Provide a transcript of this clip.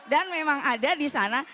dan memang ada di sana